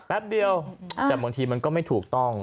แป๊บเดียวแต่บางทีมันก็ไม่ถูกต้อง